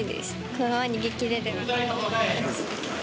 このまま逃げ切れればと思ってます。